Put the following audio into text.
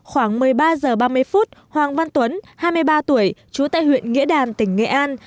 khoảng một mươi ba h ba mươi phút hoàng văn tuấn hai mươi ba tuổi trú tại huyện nghĩa đàn tỉnh nghệ an